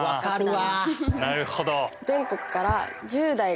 なるほど。